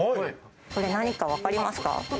これ何かわかりますか？